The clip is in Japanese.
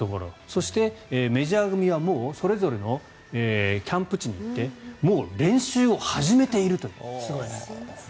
そして、メジャー組はそれぞれキャンプ地に行ってもう練習を始めているという。